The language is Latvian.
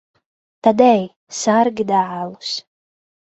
Tad ej, sargi dēlus.